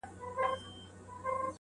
بحث لا هم دوام لري تل,